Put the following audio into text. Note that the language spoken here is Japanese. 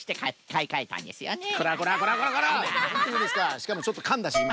しかもちょっとかんだしいま。